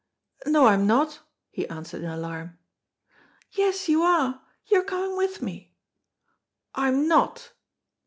"No, I'm not," he answered in alarm. "Yes you are! You are coming with me." "I'm not!"